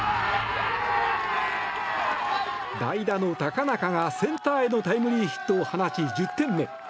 代打の高中がセンターへのタイムリーヒットを放ち１０点目。